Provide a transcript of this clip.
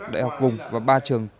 đại học vùng và ba trường